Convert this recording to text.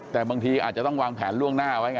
แต่บางทีอาจจะต้องวางแผนล่วงหน้าไว้ไง